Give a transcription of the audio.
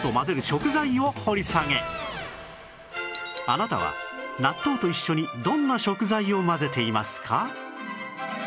あなたは納豆と一緒にどんな食材を混ぜていますか？